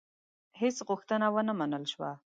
هیڅ غوښتنه ونه منل شوه.